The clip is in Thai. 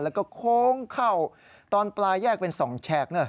แล้วก็โค้งเข้าตอนปลายแยกเป็น๒แฉก